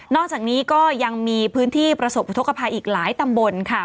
อกจากนี้ก็ยังมีพื้นที่ประสบอุทธกภัยอีกหลายตำบลค่ะ